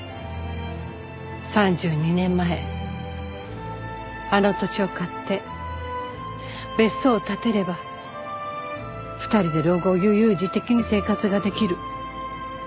３２年前あの土地を買って別荘を建てれば２人で老後を悠々自適に生活ができる。